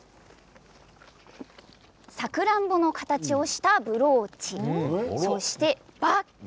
サクランボの形をしたブローチそしてバッグ